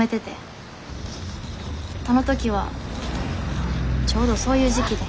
あの時はちょうどそういう時期で。